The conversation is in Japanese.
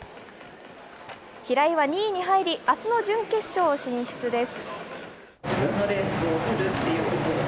平井は２位に入り、あすの準決勝進出です。